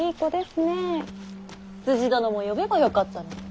つつじ殿も呼べばよかったのに。